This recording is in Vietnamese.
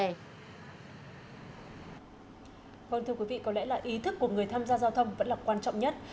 vâng thưa quý vị có lẽ là ý thức của người tham gia giao thông vẫn là quan trọng nhất